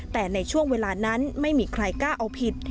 แต่ในช่วงเวลานั้นไม่มีใครกล้าเอาผิด